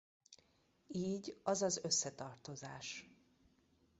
Így az az összetartozás.